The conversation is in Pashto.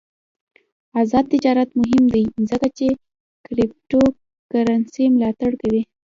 آزاد تجارت مهم دی ځکه چې کریپټو کرنسي ملاتړ کوي.